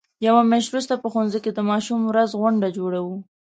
یوه میاشت وروسته په ښوونځي کې د ماشوم ورځې غونډه جوړو.